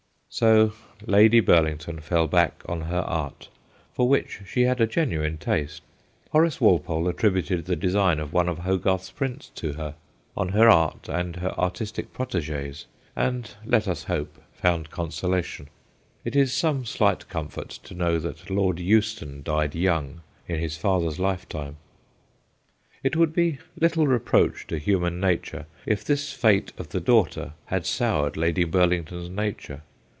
So Lady Burlington fell back on her art for which she had a genuine taste ; E 116 THE GHOSTS OF PICCADILLY Horace Walpole attributed the design of one of Hogarth's prints to her on her art and her artistic protege's, and, let us hope, found consolation. It is some slight comfort to know that Lord Euston died young, in his father's lifetime. It would be little reproach to human nature if this fate of her daughter had soured Lady Burlington's nature.